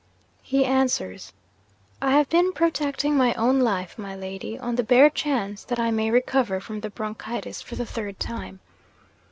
He answers, "I have been protecting my own life, my lady, on the bare chance that I may recover from the bronchitis for the third time.